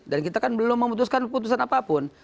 dan kita kan belum memutuskan keputusan apapun